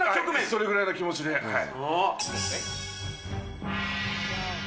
それぐらいの気持ちで、はい。